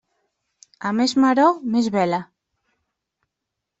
A més maror, més vela.